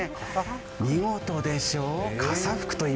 見事でしょう？